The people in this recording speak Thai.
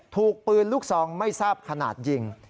ถูกปืนลูกซองไม่ทราบขนาดยิง